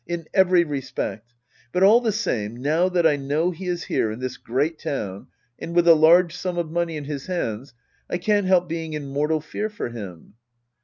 In every respect. But all the same — now that I know he is here — in this great town — and with a large sum of money in his hands — I can't help being in mortal fear for him.